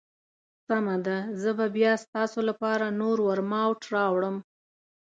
سمه ده، زه به بیا ستاسو لپاره نور ورماوټ راوړم.